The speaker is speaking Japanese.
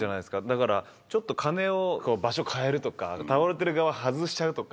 だからちょっと鐘を場所変えるとか倒れてる側外しちゃうとか。